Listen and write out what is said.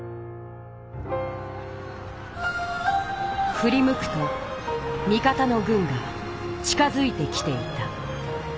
ふりむくとみ方のぐんが近づいてきていた。